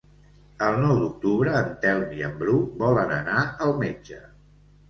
El nou d'octubre en Telm i en Bru volen anar al metge.